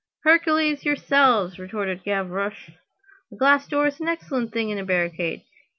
"Hercules yourselves!" retorted Gavroche. "A glass door is an excellent thing in a barricade.